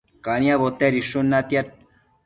caniabo tedishun natiad